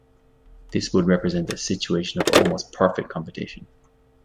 This would represent a situation of almost perfect competition.